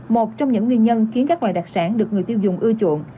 một trong những nguyên nhân khiến các loài đặc sản được người tiêu dùng ưa chuộng